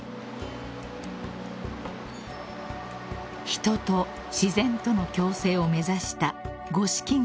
［人と自然との共生を目指した五色ヶ原の森］